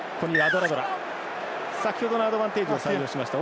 先ほどのアドバンテージを採用しました。